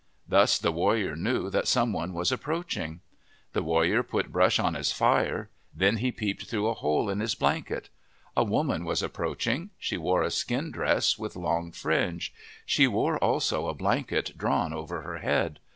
Thus the warrior knew that some one was approaching. The warrior put brush on his fire, then he peeped through a hole in his blanket. A woman was approaching. She wore a skin dress with long fringe. She wore also a blanket drawn over her head.